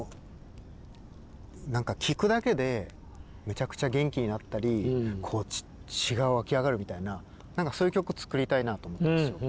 聴くだけでめちゃくちゃ元気になったり血が沸き上がるみたいなそういう曲を作りたいなと思ったんです。